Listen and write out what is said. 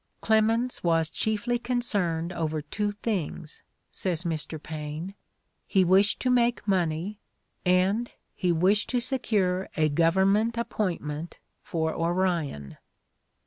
"Clemens was chiefly concerned over two things," says Mr. Paine; "he wished to make money and he wished to secure a government appointment for Orion."